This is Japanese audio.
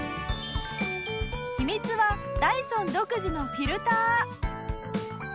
秘密はダイソン独自のフィルター。